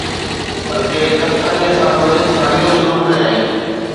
بلڪ ڪپتانيءَ سان به ساڳيو سلوڪ ڪيائين.